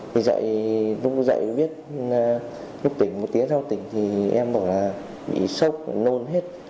vì vậy lúc dậy biết lúc tỉnh một tiếng sau tỉnh thì em bảo là bị sốc nôn